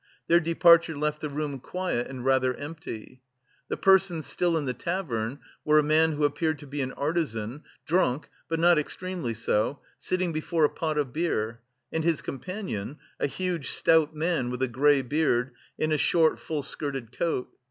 Their departure left the room quiet and rather empty. The persons still in the tavern were a man who appeared to be an artisan, drunk, but not extremely so, sitting before a pot of beer, and his companion, a huge, stout man with a grey beard, in a short full skirted coat.